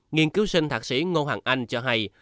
nghiên cứu sinh thạc sĩ ngô hoàng anh cho hay